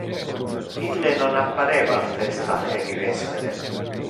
Ille non appareva al festa heri vespere.